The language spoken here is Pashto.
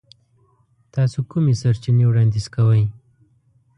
تاسو کومې سرچینې وړاندیز کوئ؟